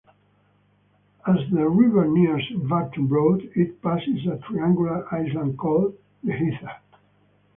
As the river nears Barton Broad it passes a triangular island called the Heater.